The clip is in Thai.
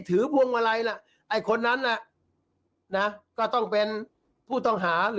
แล้วก็บอกด้วยนะบอกว่าตอนนี้นะ